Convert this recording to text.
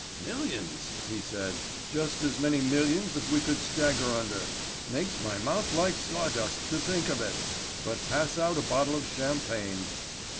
"Millions," he said. "Just as many millions as we could stagger under. Makes my mouth like sawdust to think of it. But pass out a bottle of champagne."